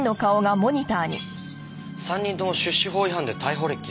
３人とも出資法違反で逮捕歴っすか。